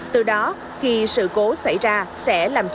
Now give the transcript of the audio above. từ đó khi sự cố xảy ra sẽ làm cho